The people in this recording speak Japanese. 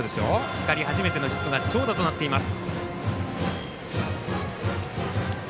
光、初めてのヒットが長打となっています。